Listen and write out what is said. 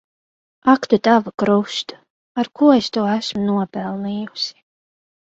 Ak tu tavu krustu! Ar ko es to esmu nopelnījusi.